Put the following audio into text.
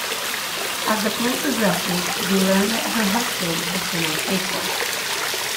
As the play progresses, we learn that her husband has been unfaithful.